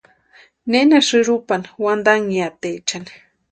¿Néna sïrupani wantanhiataechani?